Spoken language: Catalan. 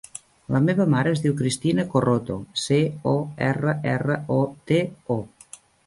La meva mare es diu Cristina Corroto: ce, o, erra, erra, o, te, o.